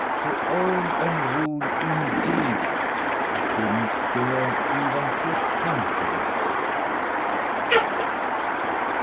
To own and rule indeed ! He couldn't bear even to think of it.